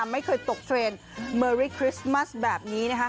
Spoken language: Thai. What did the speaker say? ไม่เคยตกเถียนเมอร์รีคริสตมัสแบบนี้